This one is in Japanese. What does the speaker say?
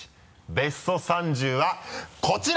ベスト３０はこちら。